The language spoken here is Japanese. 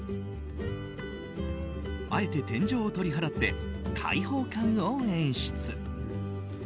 あえて天井を取り払って開放感を演出。